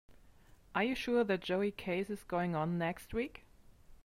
Are you sure that Joe case is going on next week?